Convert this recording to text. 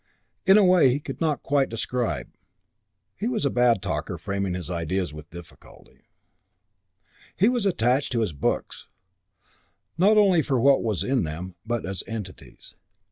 In a way he could not quite describe (he was a bad talker, framing his ideas with difficulty) he was attached to his books, not only for what was in them, but as entities.